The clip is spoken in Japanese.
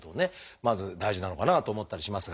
まず大事なのかなと思ったりしますが。